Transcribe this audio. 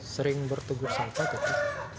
sering bertegur sangka tapi